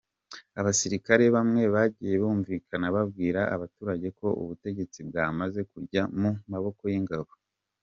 Abasirikare bamwe bagiye bumvikana babwira abaturage ko ubutegetsi bwamaze kujya mu maboko y’ingabo.